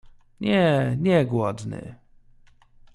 Nie, nie głodny.